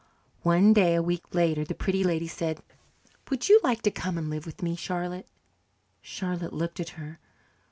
One day a week later the Pretty Lady said, "Would you like to come and live with me, Charlotte?" Charlotte looked at her.